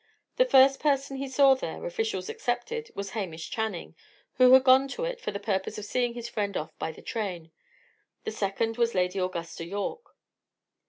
The first person he saw there, officials excepted, was Hamish Channing, who had gone to it for the purpose of seeing a friend off by the train. The second, was Lady Augusta Yorke.